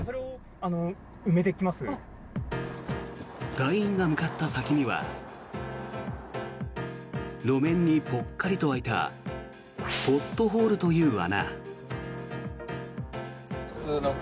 隊員が向かった先には路面にぽっかりと開いたポットホールという穴。